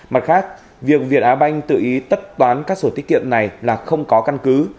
mặt khác việc việt á banh tự ý tất toán các sổ tiết kiệm này là không có căn cứ